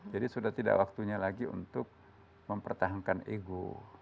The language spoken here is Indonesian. jadi sudah tidak waktunya lagi untuk mempertahankan ego